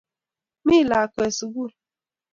mi lakwet sugul